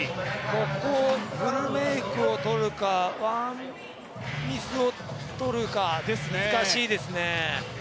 ここ、フルメイクをとるか、ワンミスをとるか、難しいですね。